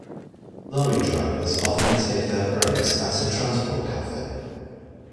Lorry drivers often take their breaks at a transport cafe